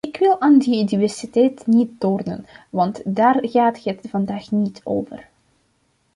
Ik wil aan die diversiteit niet tornen, want daar gaat het vandaag niet over.